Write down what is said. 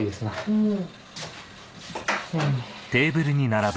うん。